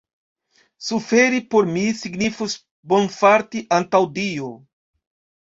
Suferi por mi signifus bonfarti antaŭ Dio.